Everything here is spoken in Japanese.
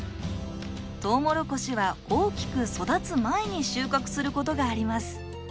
とうもろこしは大きく育つ前に収穫することがあります。